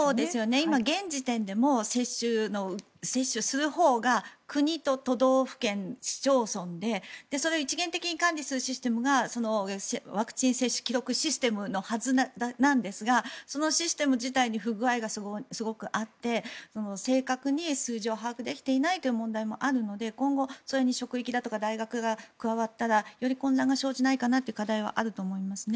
今、現時点でも接種をするほうが国と都道府県、市町村でそれを一元的に管理するシステムがワクチン接種記録システムのはずなんですがそのシステム自体に不具合がすごくあって正確に数字を把握できていないという問題もあるので今後、それに職域だとか大学が加わったらより混乱が生じないかなと課題はあると思いますね。